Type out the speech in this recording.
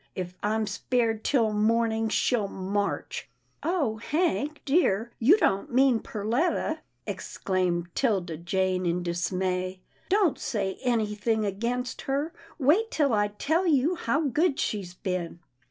" If I'm spared till morning, she'll march." "Oh! Hank, dear, you don't mean Perletta," PERLETTA PUZZLES HER FRIENDS 283 exclaimed 'Tilda Jane in dismay. " Don't say any thing against her — wait till I tell you how good she's been."